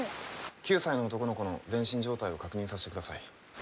９歳の男の子の全身状態を確認させてください。